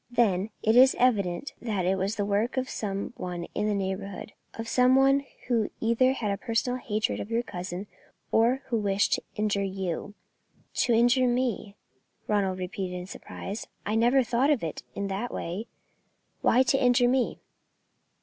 "Then it is evident that it was the work of some one in the neighbourhood, of some one who either had a personal hatred of your cousin, or who wished to injure you." "To injure me," Ronald repeated in surprise. "I never thought of it in that way. Why to injure me?"